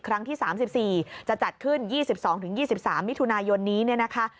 ครั้งที่๓๔จะจัดขึ้น๒๒๒๒๓มิถุนายนนี้เนี่ยนะคะ